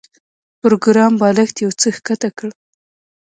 پروګرامر بالښت یو څه ښکته کړ